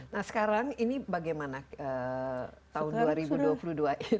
nah sekarang ini bagaimana tahun dua ribu dua puluh dua ini